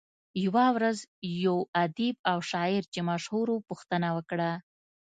يوه ورځ يو ادیب او شاعر چې مشهور وو پوښتنه وکړه.